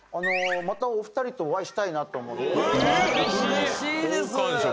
またお二人とお会いしたいなと思って嬉しい嬉しいです